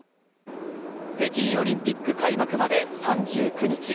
北京オリンピック開幕まで３９日。